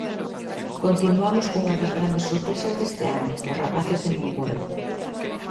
Continuamos cunha das grandes sorpresas deste ano, os rapaces de Momboi.